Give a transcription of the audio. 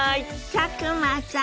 佐久間さん。